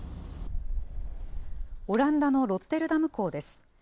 オランダのロッテルダム港です。